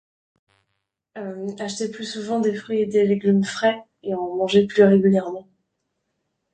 Acheter plus souvent des fruits et des légumes frais, et en manger plus régulièrement.